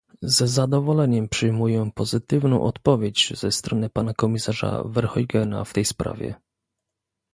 Z zadowoleniem przyjmuję pozytywną odpowiedź ze strony pana komisarza Verheugena w tej sprawie